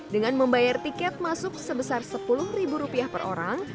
dengan membayar tiket masuk sebesar sepuluh ribu rupiah per orang